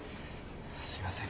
すいません。